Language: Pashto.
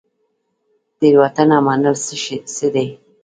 تیروتنه منل څه دي؟